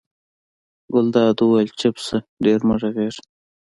ګلداد وویل چپ شه ډېره مه غږېږه.